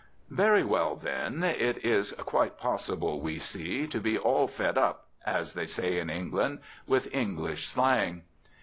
Very well, then it is quite possible, we see, to be "all fed up," as they say in England, with English slang.